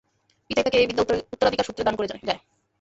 পিতাই তাকে এই বিদ্যা উত্তরাধিকার সূত্রে দান করে যায়।